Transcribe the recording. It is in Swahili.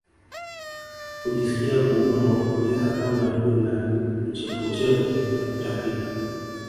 Hujisikia kuumwa kupoteza hamu ya kula kichefuchefu na kutapika